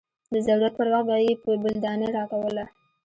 د ضرورت پر وخت به يې بولدانۍ راکوله.